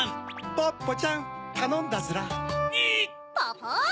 ポポ！